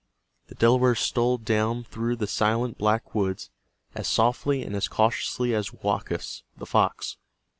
The Delawares stole down through the silent black woods as softly and as cautiously as Woakus, the fox.